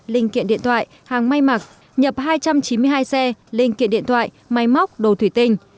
linh kiện điện thoại hàng may mặc nhập hai trăm chín mươi hai xe linh kiện điện thoại máy móc đồ thủy tinh